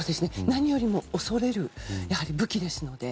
何よりも恐れる武器ですので。